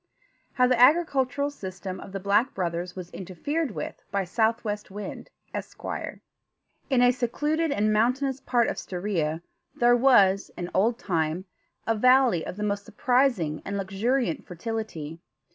HOW THE AGRICULTURAL SYSTEM OF THE BLACK BROTHERS WAS INTERFERED WITH BY SOUTHWEST WIND, ESQUIRE In a secluded and mountainous part of Stiria there was, in old time, a valley of the most surprising and luxuriant fertility.